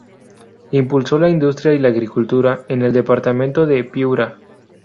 Impulsó la industria y la agricultura en el departamento de Piura.